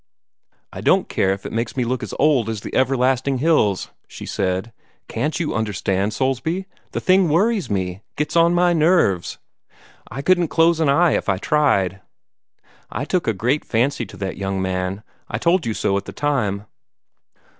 "I don't care if it makes me look as old as the everlasting hills," she said. "Can't you understand, Soulsby? The thing worries me gets on my nerves. I couldn't close an eye, if I tried. I took a great fancy to that young man. I told you so at the time."